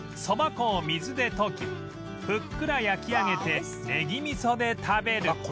そば粉を水で溶きふっくら焼き上げてネギ味噌で食べる